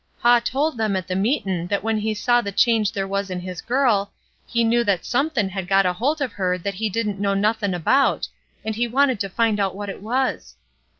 "Paw told them at the meetin' that when he see the change there was in his girl, he knew that somethm' had got a holt of her that he didn't know nothin' about, and he wanted to find out what it was."